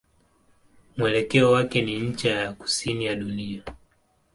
Mwelekeo wake ni ncha ya kusini ya dunia.